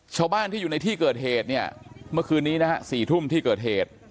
ชาวบ้านที่อยู่ในที่เกิดเหตุเนี่ยเมื่อคืนนี้นะฮะ๔ทุ่มที่เกิดเหตุ